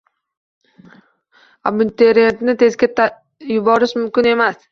Abituriyentni testga yuborish mumkin emas.